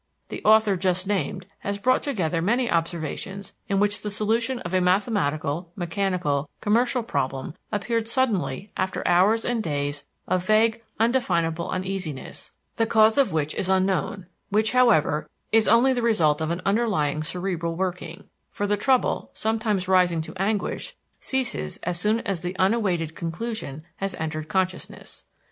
The author just mentioned has brought together many observations in which the solution of a mathematical, mechanical, commercial problem appeared suddenly after hours and days of vague, undefinable uneasiness, the cause of which is unknown, which, however, is only the result of an underlying cerebral working; for the trouble, sometimes rising to anguish, ceases as soon as the unawaited conclusion has entered consciousness.